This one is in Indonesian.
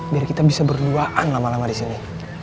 biar kita bisa berduaan lama lama di sini